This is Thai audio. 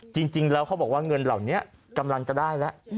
จริงแล้วเขาบอกว่าเงินเหล่านี้กำลังจะได้แล้ว